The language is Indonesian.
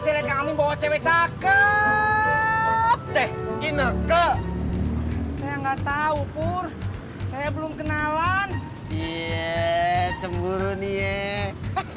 selingkuh cewek cakep deh ini ke saya nggak tahu pur saya belum kenalan cie cemburu nih